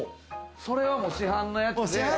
それは市販のやつで。